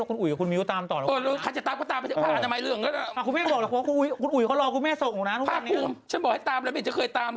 คือต้องพรีเศษเร็วเพื่อจะมานี่ได้อะไรอย่างนี้ใช่ไหม